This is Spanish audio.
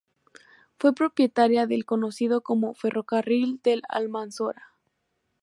Fue propietaria del conocido como "Ferrocarril del Almanzora".